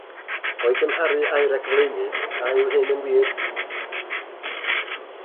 O'i gymharu â'i ragflaenydd, a yw hyn yn wir?